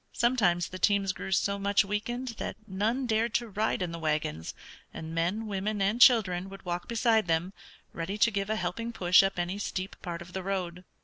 Sometimes the teams grew so much weakened that none dared to ride in the wagons, and men, women, and children would walk beside them, ready to give a helping push up any steep part of the road.